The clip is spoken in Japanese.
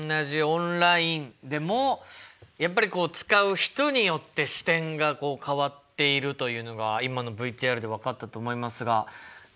オンラインでもやっぱりこう使う人によって視点がこう変わっているというのが今のＶＴＲで分かったと思いますが飛鳥いかがでしたか？